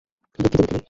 দুঃখিত, মিথিলি।